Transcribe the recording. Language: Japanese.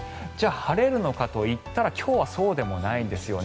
じゃあ晴れるのかと言ったら今日はそうでもないんです。